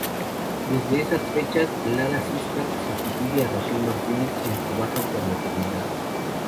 Desde esas fechas, Lara Siscar sustituye a Raquel Martínez en su baja por maternidad.